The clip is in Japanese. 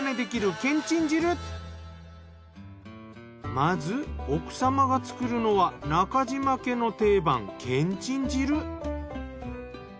まず奥様が作るのは中嶋家の定番けんちん汁。